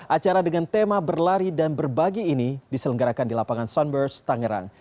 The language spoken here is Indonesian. acara dengan tema berlari dan berbagi ini diselenggarakan di lapangan sunburst tangerang